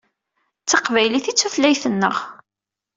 D taqbaylit i d tutlayt-nneɣ.